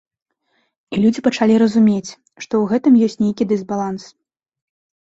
І людзі пачалі разумець, што ў гэтым ёсць нейкі дысбаланс.